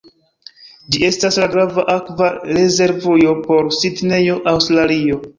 Ĝi estas la grava akva rezervujo por Sidnejo, Aŭstralio.